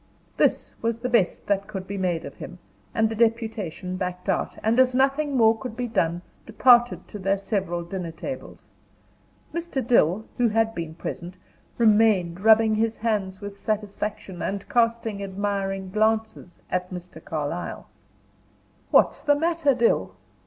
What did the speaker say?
This was the best that could be made of him, and the deputation backed out, and as nothing more could be done, departed to their several dinner tables. Mr. Dill, who had been present, remained rubbing his hands with satisfaction, and casting admiring glances at Mr. Carlyle. "What's the matter, Dill?"